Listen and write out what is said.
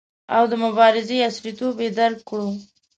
او د مبارزې عصریتوب یې درک کړو.